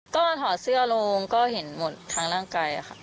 ก็ถอดเสื้อลงก็เห็นหมดทางร่างกายค่ะ